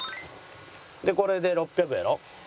これで６００やろ。